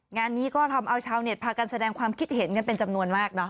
งานนี้ก็ทำเอาชาวเน็ตพากันแสดงความคิดเห็นกันเป็นจำนวนมากเนาะ